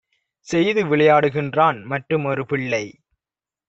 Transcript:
செய்துவிளை யாடுகின்றான் மற்றுமொரு பிள்ளை!